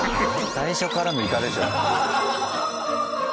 最初からのイカでしょ。